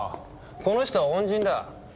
この人は恩人だ。